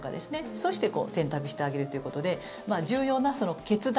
そうして選択してあげるということで重要な決断